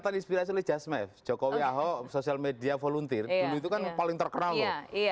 terinspirasi oleh jasmef jokowi ahok sosial media volunteer itu kan paling terkenal ya iya